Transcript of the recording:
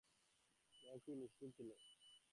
ও কি নিষ্ঠুর ছিল?